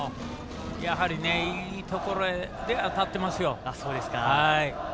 やはり、いいところで当たってますよ。